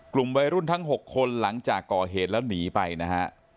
กลุ่มวัยรุ่นทั้ง๖คนหลังจากก่อเหตุแล้วหนีไปนะฮะ